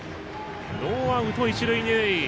ノーアウト、一塁二塁。